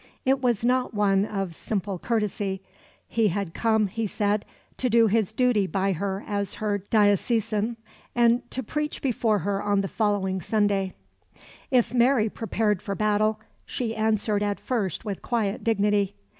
It was not one of simple courtesy; he had come, he said, to do his duty by her as her diocesan, and to preach before her on the following Sunday. If Mary prepared for battle, she answered at first with quiet dignity.